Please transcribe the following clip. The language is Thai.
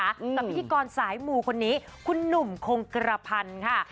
กับพิธีกรสายหมู่คนนี้คุณหนุ่มคงกระพันธ์ค่ะ